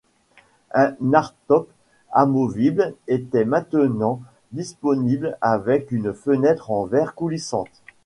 Un hardtop amovible était maintenant disponible avec une fenêtre en verre coulissante.